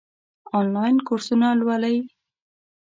آنلاین کورسونه لولئ؟